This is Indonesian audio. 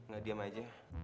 gak diam aja